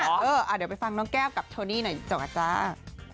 เออเดี๋ยวไปฟังน้องแก้วกับโชนี่หน่อยเจ้าอาจารย์